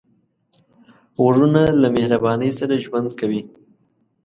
غوږونه له مهرباني سره ژوند کوي